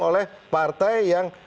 oleh partai yang